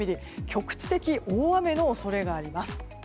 局地的大雨の恐れがあります。